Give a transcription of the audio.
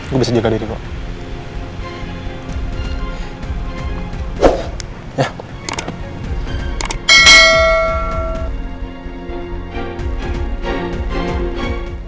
gue bersedia ke diri kok